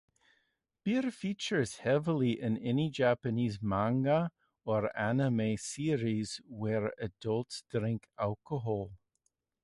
Beer features heavily in any Japanese manga or anime series where adults drink alcohol.